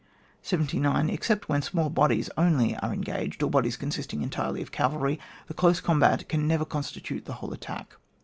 79. Except when small bodies only are engaged, or bodies consisting entirely of cavalry, the close combat can never con stitute the whole attack.